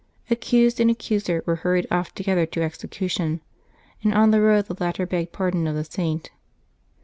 Accused and accuser were hurried off together to execution, and on the road the latter begged pardon of the Saint.